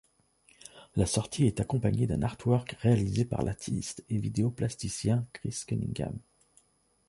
La sortie est accompagnée d'un artwork réalisé par l'artiste et vidéo-plasticien Chris Cunningham.